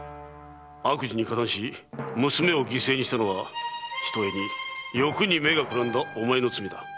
悪事に加担し娘を犠牲にしたのはひとえに欲に目がくらんだおまえの罪だ。